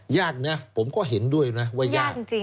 ยากนะผมก็เห็นด้วยนะว่ายาก